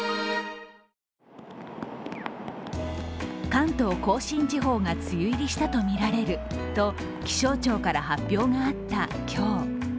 関東甲信地方が梅雨入りしたとみられると気象庁から発表があった今日。